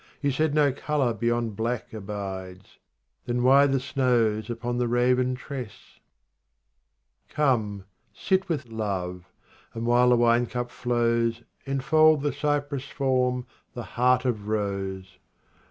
You said no colour beyond black abides ; Then why the snows upon the raven tress ? 57 Come, sit with love, and, while the wine cup flows Enfold the cjrpress form, the heart of rose